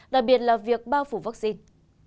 đặc biệt là việc bao phủ vaccine